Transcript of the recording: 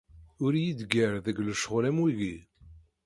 Ur iyi-ggar deg lecɣal am wiyyi.